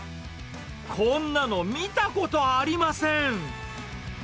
こんなの見たことありません。